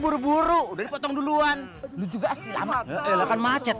buru buru udah potong duluan juga silam akan macet